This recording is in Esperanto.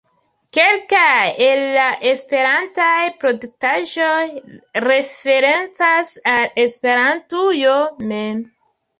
Kelkaj el la esperantaj produktaĵoj referencas al Esperantujo mem.